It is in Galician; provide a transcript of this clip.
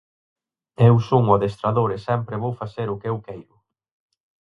Eu son o adestrador e sempre vou facer o que eu queiro.